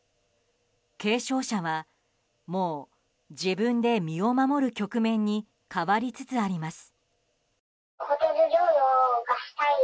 軽症者はもう自分で身を守る局面に変わりつつあります。